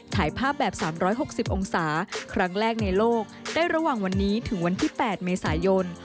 ถ่ายภาพแบบ๓๖๐องศาครั้งแรกในโลกได้ระหว่างวันนี้ถึงวันที่๘เมษายน